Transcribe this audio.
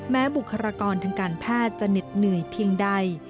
บุคลากรทางการแพทย์จะเหน็ดเหนื่อยเพียงใด